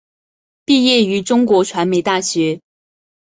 毕业于中国传媒大学。